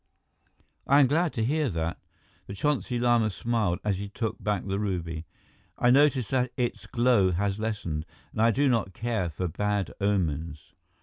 "I am glad to hear that." The Chonsi Lama smiled, as he took back the ruby. "I notice that its glow has lessened, and I do not care for bad omens."